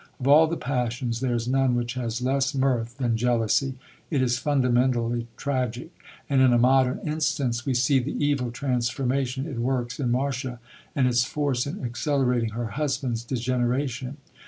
Of all the passions, there is none which has less mirth than jealousy. It is fundamentally tragic; and in A Modern Instance, we see the evil transformation it works in Marcia, and its force in accelerating her husband's degeneration.